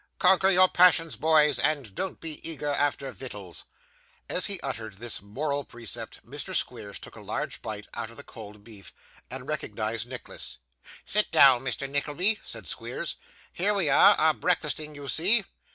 Conquer your passions, boys, and don't be eager after vittles.' As he uttered this moral precept, Mr. Squeers took a large bite out of the cold beef, and recognised Nicholas. 'Sit down, Mr. Nickleby,' said Squeers. 'Here we are, a breakfasting you see!